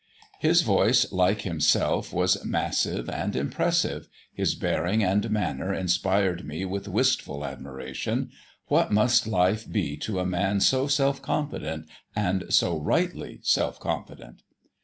His voice, like himself, was massive and impressive; his bearing and manner inspired me with wistful admiration: what must life be to a man so self confident, and so rightly self confident?